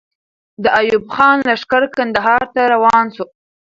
د ایوب خان لښکر کندهار ته روان سو.